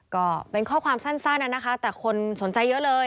ก็เป็นข้อความสั้นนะคะแต่คนสนใจเยอะเลย